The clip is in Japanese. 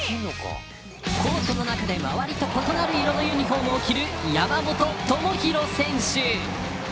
コートの中で周りと異なる色のユニホームを着る山本智大選手。